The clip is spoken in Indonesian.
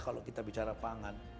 kalau kita bicara pangan